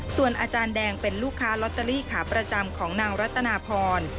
ส่วนอาจารย์แดงเป็นลูกค้าลอตเตอรี่ขาประจำของนางรัตนาพร